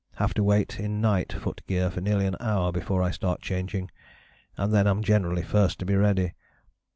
Have to wait in night foot gear for nearly an hour before I start changing, and then am generally first to be ready.